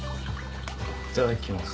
いただきます。